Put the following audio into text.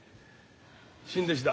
新弟子だ。